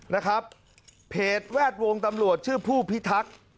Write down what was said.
นะครับเพจแวดวงตำรวจชื่อผู้พิทักษ์